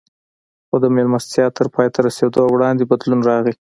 خو د مېلمستیا تر پای ته رسېدو وړاندې بدلون راغی